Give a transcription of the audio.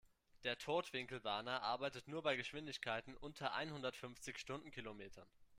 Der Totwinkelwarner arbeitet nur bei Geschwindigkeiten unter einhundertfünfzig Stundenkilometern.